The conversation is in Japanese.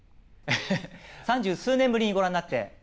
三十数年ぶりにご覧になって。